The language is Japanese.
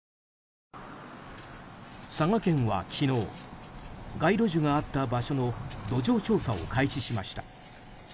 佐賀県は昨日街路樹があった場所の土壌調査を開始しました。